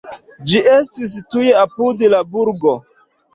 Ĝi estis tuj apud la burgo.